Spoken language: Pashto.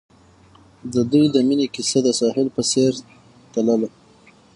د دوی د مینې کیسه د ساحل په څېر تلله.